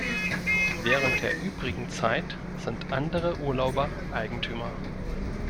Während der übrigen Zeit sind andere Urlauber Eigentümer.